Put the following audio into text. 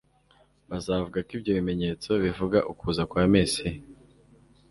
Bazavuga ko ibyo bimenyetso bivuga ukuza kwa Mesiya.